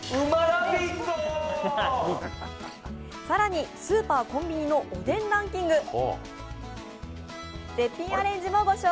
更にスーパー・コンビニのおでんランキング。